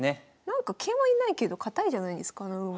なんか桂馬いないけど堅いじゃないですか穴熊。